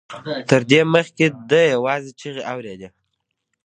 تر دې مخکې ده يوازې چيغې اورېدې.